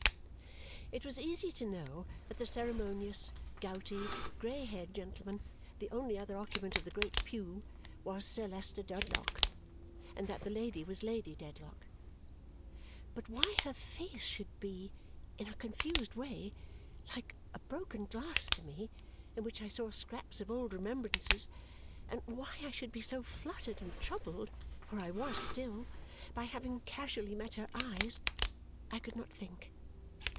It was easy to know that the ceremonious, gouty, grey haired gentleman, the only other occupant of the great pew, was Sir Leicester Dedlock, and that the lady was Lady Dedlock. But why her face should be, in a confused way, like a broken glass to me, in which I saw scraps of old remembrances, and why I should be so fluttered and troubled (for I was still) by having casually met her eyes, I could not think.